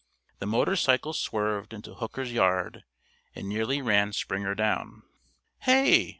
The motorcycle swerved into Hooker's yard and nearly ran Springer down. "Hey!"